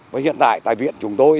và hiện tại tại viện chúng tôi